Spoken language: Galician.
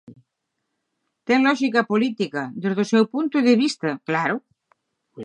Ten lóxica política; desde o seu punto de vista, claro.